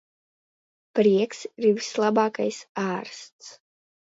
Prieks ir vislabākais ārsts.